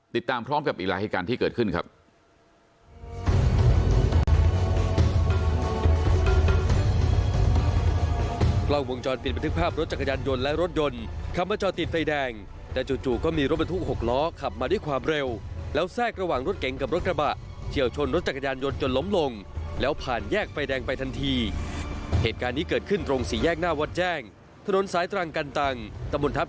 ติดตามพร้อมกับอีกรายการที่เกิดขึ้นครับ